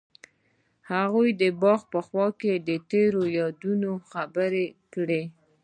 هغوی د باغ په خوا کې تیرو یادونو خبرې کړې.